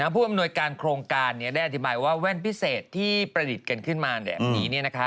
ผู้อำนวยการโครงการได้อธิบายว่าแว่นพิเศษที่ประดิษฐ์กันขึ้นมาแบบนี้